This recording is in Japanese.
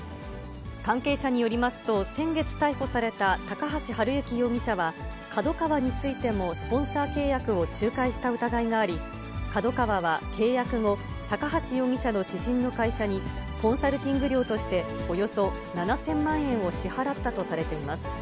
関係者によりますと、先月逮捕された高橋治之容疑者は、ＫＡＤＯＫＡＷＡについても、スポンサー契約を仲介した疑いがあり、ＫＡＤＯＫＡＷＡは契約後、高橋容疑者の知人の会社に、コンサルティング料として、およそ７０００万円を支払ったとされています。